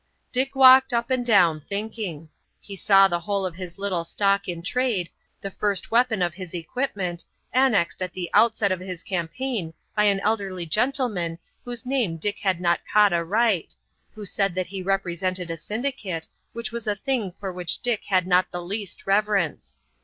Dick walked up and down, thinking. He saw the whole of his little stock in trade, the first weapon of his equipment, annexed at the outset of his campaign by an elderly gentleman whose name Dick had not caught aright, who said that he represented a syndicate, which was a thing for which Dick had not the least reverence.